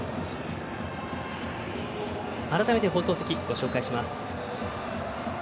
改めて放送席、ご紹介します。